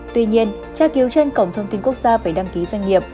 tuy nhiên tra cứu trên cổng thông tin quốc gia về đăng ký doanh nghiệp